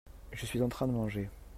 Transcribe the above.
je suis en train de manger.